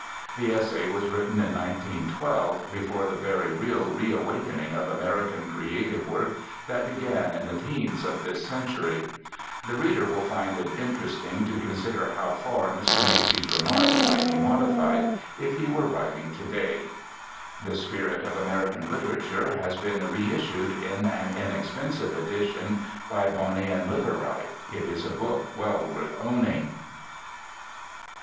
The essay was written in 1912, before the very real reawakening of American creative work that began in the 'teens of this century. The reader will find it interesting to consider how far Mr. Macy's remarks might be modified if he were writing to day. The Spirit of American Literature has been reissued in an inexpensive edition by Boni and Liveright. It is a book well worth owning.